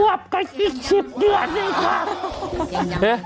๑ขวบกว่า๑๐เดือน๑ขวบ